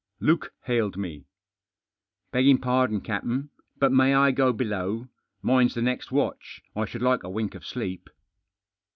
Luke hailed me. "Beggift' pardon, captain, but may I go below? Mine's the next watch. I should like a Wink of sleep."